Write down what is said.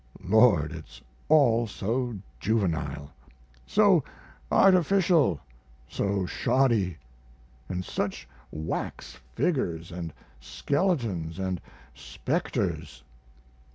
Lord, it's all so juvenile! so artificial, so shoddy; & such wax figures & skeletons & specters.